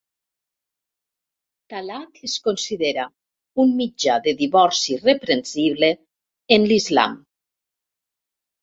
Talaq es considera un mitjà de divorci reprensible en l'Islam.